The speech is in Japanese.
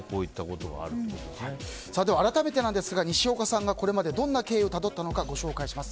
では、改めてにしおかさんがこれまでどんな経緯をたどったのかご紹介します。